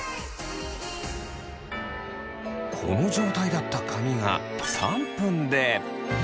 この状態だった髪が３分で。